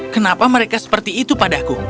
kenapa mereka seperti itu padaku